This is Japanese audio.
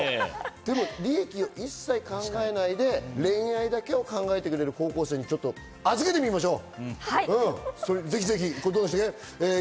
でも、利益を一切考えないで恋愛だけを考えてくれる高校生に預けてみましょう。